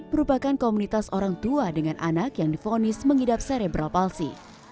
merupakan komunitas orang tua dengan anak yang difonis mengidap serebral palsi